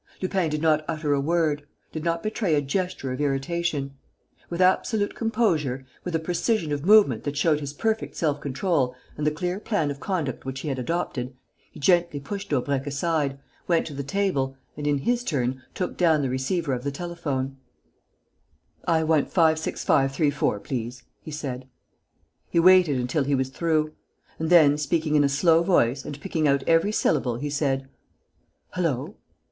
Lupin did not utter a word, did not betray a gesture of irritation. With absolute composure, with a precision of movement that showed his perfect self control and the clear plan of conduct which he had adopted, he gently pushed Daubrecq aside, went to the table and, in his turn, took down the receiver of the telephone: "I want 565.34, please," he said. He waited until he was through; and then, speaking in a slow voice and picking out every syllable, he said: "Hullo!....